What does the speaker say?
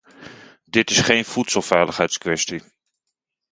Dit is geen voedselveiligheidskwestie.